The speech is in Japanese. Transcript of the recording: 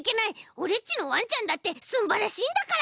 オレっちのわんちゃんだってすんばらしいんだから！